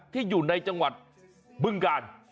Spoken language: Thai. ที่อยู่ในจังหวัดบึงกาล